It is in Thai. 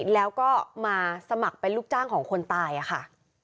แล้วก็มาสมัครเป็นลูกจ้างของคนตายค่ะ